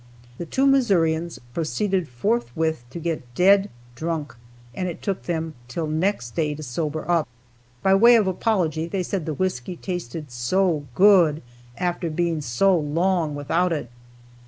The two Missourians proceeded forthwith to get dead drunk and it took them till next day to sober up. By way of apology they said the whisky tasted "so good" after being so long without it.